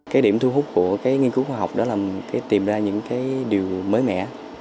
cái điểm thu hút của cái nghiên cứu khoa học đó là tìm ra những cái điều mới mẻ